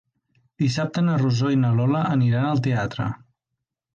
Dissabte na Rosó i na Lola aniran al teatre.